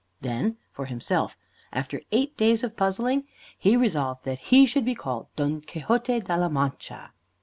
Then, for himself, after eight days of puzzling, he resolved that he should be called Don Quixote de la Mancha.